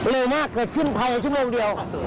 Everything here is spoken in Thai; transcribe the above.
เร็วมากเกิดขึ้นภายในชั่วโมงเดียว